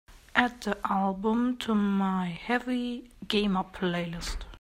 Add the album to my Heavy Gamer playlist.